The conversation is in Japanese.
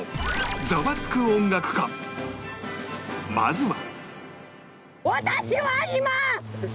まずは